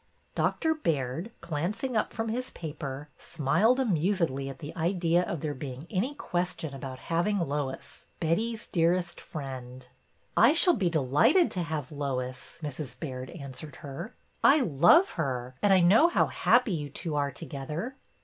" Dr. Baird, glancing up from his paper, smiled amusedly at the idea of there being any question about having Lois, Betty's dearest friend. LOIS BYRD'S COMING S3 I shall be delighted to have Lois/' Mrs. Baird answered her. I love her, and I know how happy you two are together."